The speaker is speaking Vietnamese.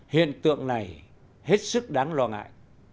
hiện tượng này hết sức đáng lo ngại